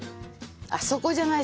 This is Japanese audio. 「そこじゃない！